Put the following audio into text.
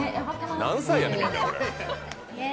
何歳やねん、みんな。